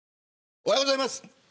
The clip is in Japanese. おはようございます。